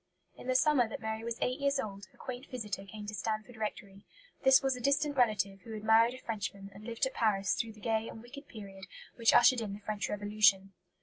In the summer that Mary was eight years old, a quaint visitor came to Stanford Rectory. This was a distant relative who had married a Frenchman and lived at Paris through the gay and wicked period which ushered in the French Revolution.